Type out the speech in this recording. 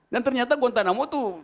dan ternyata guantanamo tuh